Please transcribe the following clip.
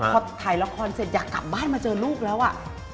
พอถ่ายละครเสร็จอยากกลับบ้านมาเจอลูกแล้วอ่ะ